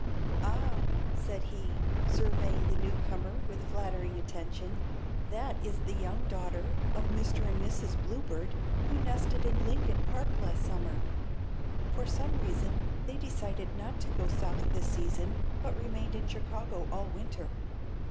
"Ah," said he, surveying the new comer with flattering attention, "that is the young daughter of Mr. and Mrs. Bluebird who nested in Lincoln Park last summer. For some reason they decided not to go South this season but remained in Chicago all winter.